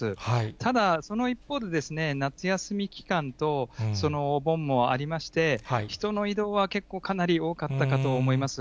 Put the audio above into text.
ただ、その一方で、夏休み期間とお盆もありまして、人の移動は、結構、かなり多かったかと思います。